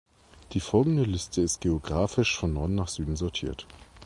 Die folgende Liste ist geografisch von Norden nach Süden sortiert.